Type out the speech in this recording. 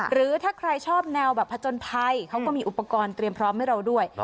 หรือถ้าใครชอบแนวแบบผจญภัยเขาก็มีอุปกรณ์เตรียมพร้อมให้เราด้วย